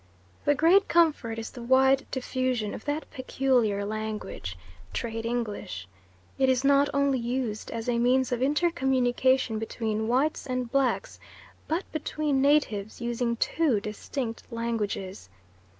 The great comfort is the wide diffusion of that peculiar language, "trade English"; it is not only used as a means of intercommunication between whites and blacks, but between natives using two distinct languages.